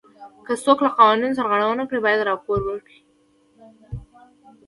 که څوک له قوانینو سرغړونه وکړي باید راپور ورکړي.